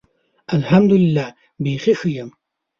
الحمدالله. بیخي ښۀ یم.